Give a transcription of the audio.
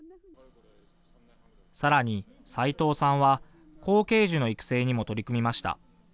さらに斉藤さんは後継樹の育成にも取り組みました。